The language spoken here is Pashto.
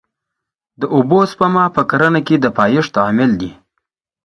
د اوبو سپما په کرنه کې د پایښت عامل دی.